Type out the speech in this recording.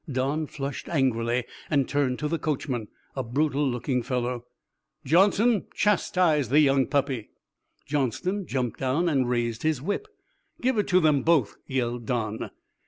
'" Don flushed angrily and turned to the coachman, a brutal looking fellow. "Johnson, chastise the young puppy!" Johnson jumped down and raised his whip. "Give it to them both!" yelled Don.